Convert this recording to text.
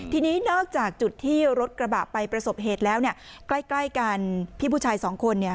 ทีนี้นอกจากจุดที่รถกระบะไปประสบเหตุแล้วเนี่ยใกล้กันพี่ผู้ชายสองคนเนี่ย